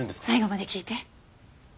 最後まで聞いて。